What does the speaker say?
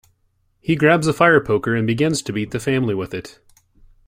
He grabs a fire poker, and begins to beat the family with it.